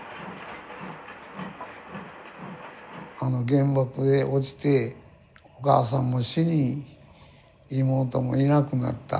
原爆が落ちてお母さんも死に妹もいなくなった。